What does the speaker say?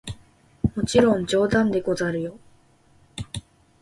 もちろん冗談でござるよ！